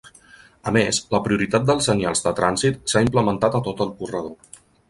A més, la prioritat dels senyals de trànsit s'ha implementat a tot el corredor.